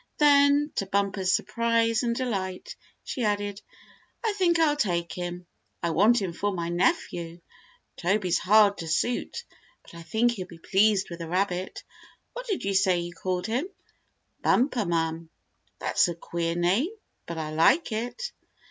Then, to Bumper's surprise and delight, she added: "I think I'll take him. I want him for my nephew. Toby's hard to suit, but I think he'll be pleased with a rabbit. What did you say you called him?" "Bumper, ma'm!" "That's a queer name, but I like it."